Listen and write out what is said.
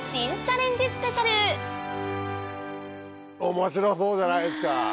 面白そうじゃないですか！